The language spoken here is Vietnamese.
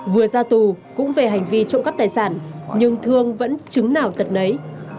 vừa ra tù cũng về hành vi trộm cắp tài sản nhưng thương vẫn chứng nào tật lấy